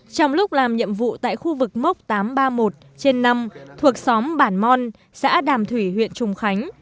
trong lúc làm nhiệm vụ tại khu vực mốc tám trăm ba mươi một trên năm thuộc xóm bản mòn xã đàm thủy huyện trùng khánh